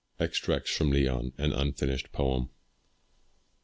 EXTRACTS FROM LEON. AN UNFINISHED POEM.